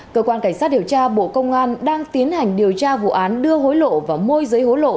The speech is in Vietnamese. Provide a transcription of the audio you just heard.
cơ quan cảnh sát điều tra bộ công an đang tiến hành điều tra vụ án đưa hối lộ và môi giới hối lộ